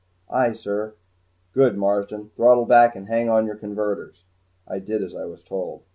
"Aye, sir." "Good, Marsden, throttle back and hang on your converters." I did as I was told.